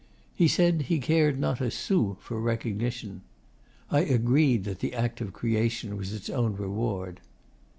He said he cared not a sou for recognition. I agreed that the act of creation was its own reward.